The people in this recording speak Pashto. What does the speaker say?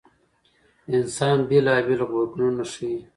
انسان بېلابېل غبرګونونه ښيي.